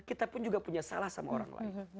kita pun juga punya salah sama orang lain